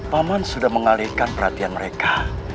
paman sudah mengalihkan perhatian mereka